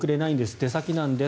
出先なんです。